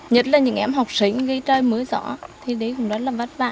nhất là những em học sinh khi trời mưa rõ thì đi cũng rất là vất vả